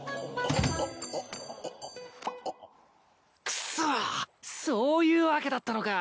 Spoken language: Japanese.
くっそそういうわけだったのか！